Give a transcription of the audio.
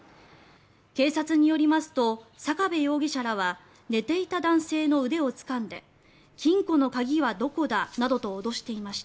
警察によりますと坂部容疑者らは寝ていた男性の腕をつかんで金庫の鍵はどこだなどと脅していました。